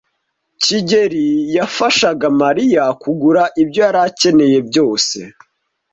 kigeli yafashaga Mariya kugura ibyo yari akeneye byose.